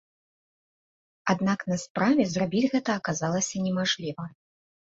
Аднак на справе зрабіць гэта аказалася немажліва.